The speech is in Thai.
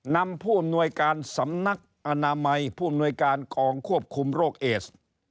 นำผู้อำนวยการสำนักอนามัยผู้อำนวยการกองควบคุมโรคเอส